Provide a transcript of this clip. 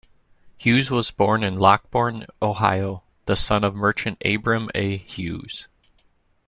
Hughes was born in Lockbourne, Ohio, the son of merchant Abram A. Hughes.